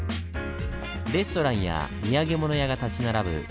レストランや土産物屋が立ち並ぶ